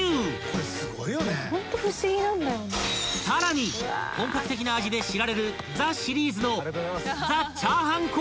［さらに本格的な味で知られるザ★シリーズの］